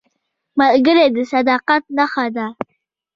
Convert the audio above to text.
ملګری د صداقت نښه ده